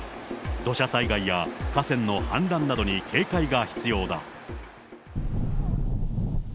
土砂災害や河川の氾濫などに警戒が必要だ。